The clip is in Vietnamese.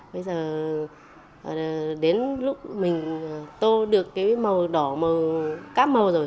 bây giờ đến lúc mình tô được cái màu đỏ màu cáp màu rồi